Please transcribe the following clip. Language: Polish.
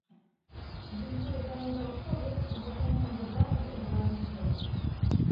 Dziękuję panu za odpowiedź i zachęcam do bardziej odważnych kroków